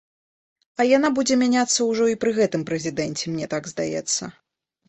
А яна будзе мяняцца ўжо і пры гэтым прэзідэнце, мне так здаецца.